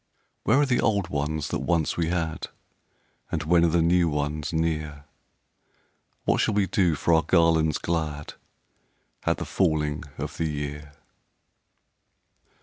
Where are the old ones that once we had, And when are the new ones near? What shall we do for our garlands glad At the falling of the year?"